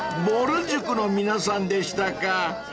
［ぼる塾の皆さんでしたか］